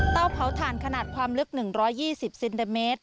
เผาถ่านขนาดความลึก๑๒๐เซนติเมตร